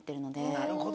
なるほど。